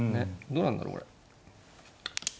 どうなんだろうこれ。